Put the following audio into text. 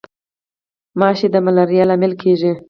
ماشي د ملاریا لامل کیږي